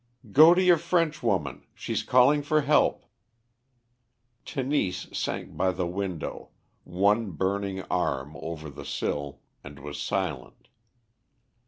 "Go to your Frenchwoman. She's calling for help." Tenise sank by the window, one burning arm over the sill, and was silent.